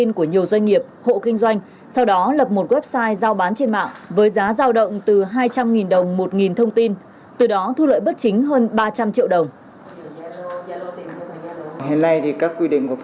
của nhiều doanh nghiệp hộ kinh doanh sau đó lập một website giao bán trên mạng với giá giao động từ hai trăm linh đồng một thông tin từ đó thu lợi bất chính hơn ba trăm linh triệu đồng